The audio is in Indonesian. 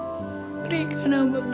sempatan untuk menjadi ibu yang baik